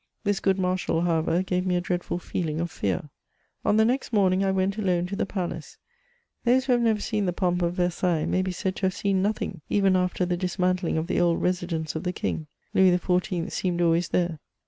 This good Marshal, however, gave me a dreadful feeling of fear. On the next morning I went alone to the palace. Those who have never seen the pomp of Versailles, may be said to have seen nothing, — even after the dismantling of the old resi dence of the king. Louis XIV. seemed always there.